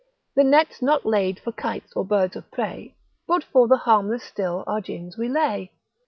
The net's not laid for kites or birds of prey, But for the harmless still our gins we lay.